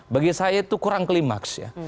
bagi saya itu kurang klimaks ya